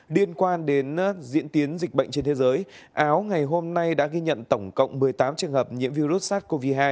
liên quan đến diễn tiến dịch bệnh trên thế giới áo ngày hôm nay đã ghi nhận tổng cộng một mươi tám trường hợp nhiễm virus sars cov hai